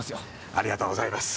ありがとうございます。